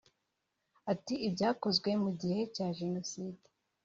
Ati “Ibyakozwe mu gihe cya Jenoside